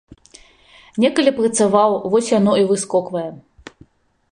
Некалі працаваў, вось яно і выскоквае.